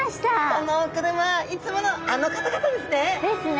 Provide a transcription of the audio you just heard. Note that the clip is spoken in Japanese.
このお車はいつものあの方々ですね！ですね。